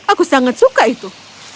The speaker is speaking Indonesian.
aku sangat suka itu